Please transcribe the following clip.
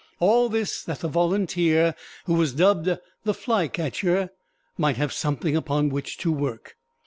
All this that the Volunteer, who was dubbed the "Flycatcher," might have something upon which to work.